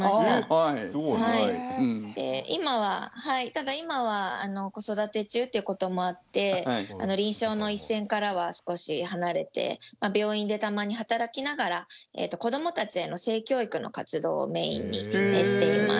今はただ今は子育て中っていうこともあって臨床の一線からは少し離れて病院でたまに働きながら子どもたちへの性教育の活動をメインにしています。